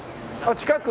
近く？